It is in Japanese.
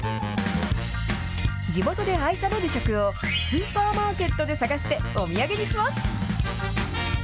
地元で愛される食をスーパーマーケットで探して、お土産にします。